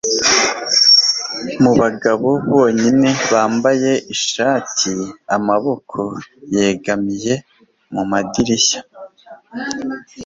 Mubagabo bonyine bambaye ishati-amaboko, yegamiye mumadirishya?. ..